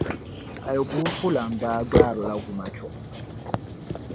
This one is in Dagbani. Aliguufulana baa gbaarila gumachuɣu.